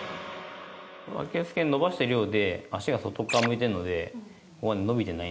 アキレス腱伸ばしているようで足が外側向いているのでここが伸びてない。